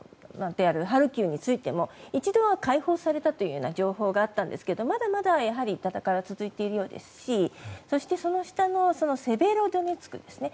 ハルキウについても一度は解放されたという情報があったんですがまだまだ戦いは続いているようですしそしてその下のセベロドネツクですね。